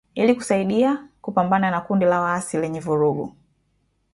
Ili kusaidia kupambana na kundi la waasi lenye vurugu